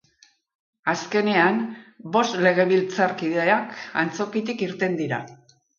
Azkenean, bost legebiltzarkideak antzokitik irten dira.